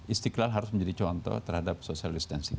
istiqlal harus menjadi contoh terhadap social distancing